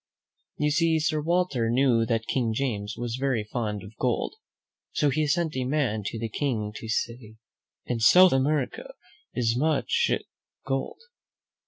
You see, Sir Walter knew that King James was very fond of gold; so he sent a man to the King to say, "In South America is much gold.